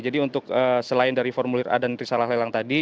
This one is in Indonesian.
jadi untuk selain dari formulir a dan risalah lelang tadi